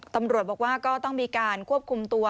ตำรวจบอกว่าก็ต้องมีการควบคุมตัว